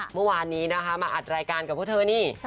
เมื่อวานนี้นะคะมาอัดรายการกับพวกเธอนี่